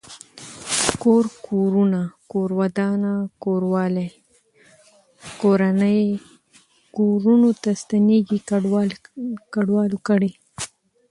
کور کورونه کور ودانه کوروالی کورنۍ کورنو ته ستنيږي کډوالو کډي